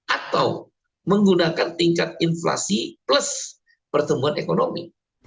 atau menggunakan tingkat inflasi plus pertumbuhan ekonomi